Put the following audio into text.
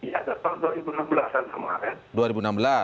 ya dua ribu enam belas an sama